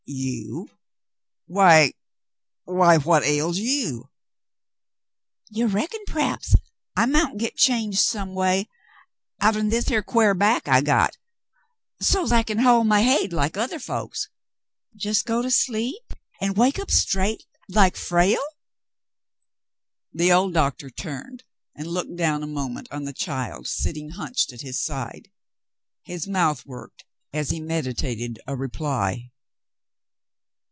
"You ? Why, — why what ails you ?" "You reckon p'r'aps I mount git changed some way outen this here quare back I got, so't I can hoi' my hade like otheh folks ? Jes' go to sleep like, an' wake up straight likeFrale.?" The old doctor turned and looked down a moment on the child sitting hunched at his side. His mouth w^orked as he meditated a reply.